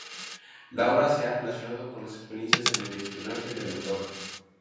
La obra se ha relacionado con la experiencias en el espionaje de la autora.